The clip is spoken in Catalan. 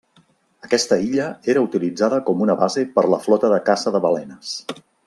Aquesta illa era utilitzada com una base per la flota de caça de balenes.